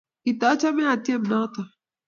katachame atiem nitok